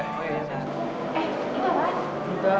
eh ini apaan